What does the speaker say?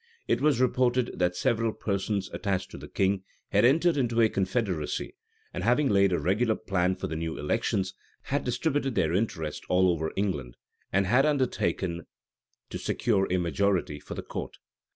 [v] It was reported, that several persons, attached to the king, had entered into a confederacy; and having laid a regular plan for the new elections, had distributed their interest all over England, and had undertaken to secure a majority for the court.